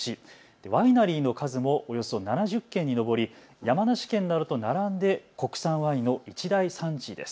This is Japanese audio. ワイナリーの数もおよそ７０軒に上り山梨県などと並んで国産ワインの一大産地です。